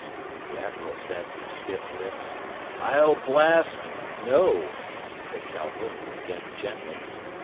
The admiral said through stiff lips, "I'll blast " "No," said Calhoun, again gently.